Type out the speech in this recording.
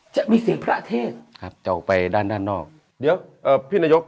จะมีเสียงพระเทศครับจะออกไปด้านด้านนอกเดี๋ยวเอ่อพี่นายก